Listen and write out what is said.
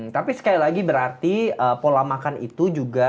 tapi sekali lagi berarti pola makan itu juga